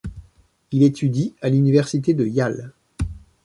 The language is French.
Il étudie à l'université de Yale.